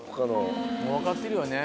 もう分かってるよね